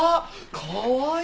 かわいい。